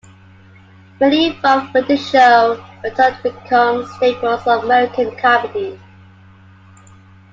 Many involved with the show went on to become staples of American comedy.